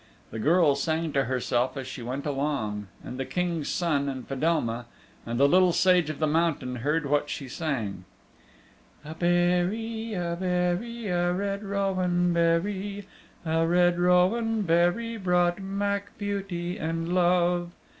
The girl sang to herself as she went along, and the King's Son and Fedelma and the Little Sage of the Mountain heard what she sang, A berry, a berry, a red rowan berry, A red rowan berry brought mc beauty and love.